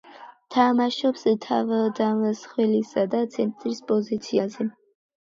თამაშობს თავდამსხმელისა და ცენტრის პოზიციაზე.